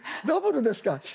ダブルですか！